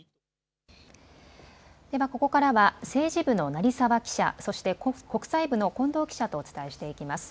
ではここからは政治部の成澤記者、そして国際部の近藤記者とお伝えしていきます。